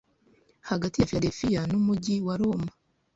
hagati ya Philadelphia n'umujyi wa Roma